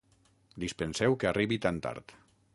Dispenseu que arribi tan tard.